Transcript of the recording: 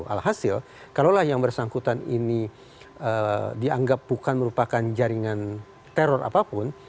alhasil kalaulah yang bersangkutan ini dianggap bukan merupakan jaringan teror apapun